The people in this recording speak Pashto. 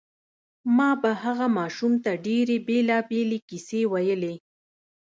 ما به هغه ماشوم ته ډېرې بېلابېلې کیسې ویلې